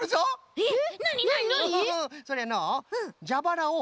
えっ！？